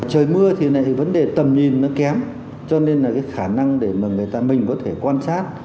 trời mưa thì vấn đề tầm nhìn nó kém cho nên là cái khả năng để mà người ta mình có thể quan sát